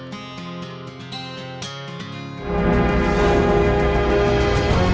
dan membeli bau mitra seperti meganpping